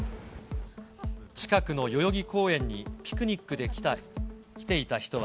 近くの代々木公園にピクニックで来ていた人は。